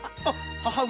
母上。